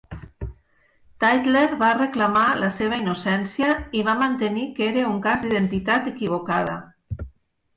Tytler va reclamar la seva innocència i va mantenir que era un cas d'identitat equivocada.